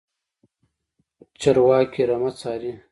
چرواکی رمه څاري.